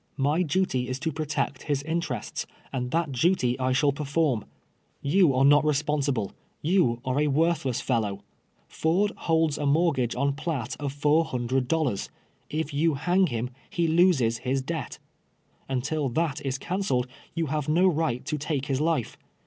My duty is to protect his interests, and that duty I shall \ IIG TWELVE YEARS A SLAVE. perform. You arc not responsible — you are a worth less fellow. Fiird holds a niortgag e on Piatt of four hundred dollars. If you hang him he loses his debt, lentil that is canceled you have no right to take his life.